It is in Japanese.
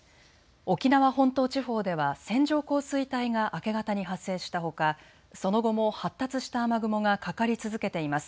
沖縄本島地方では線状降水帯が明け方に発生したほか、その後も発達した雨雲がかかり続けています。